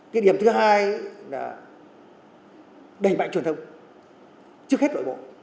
cái điểm thứ hai là đẩy mạnh truyền thông trước hết nội bộ